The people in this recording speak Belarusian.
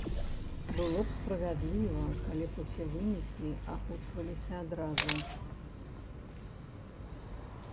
Было б справядліва, калі б усе вынікі агучваліся адразу.